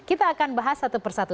kita akan bahas satu persatu